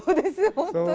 本当に。